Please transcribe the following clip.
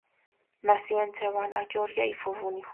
Nació en Savannah, Georgia, y fue hijo único.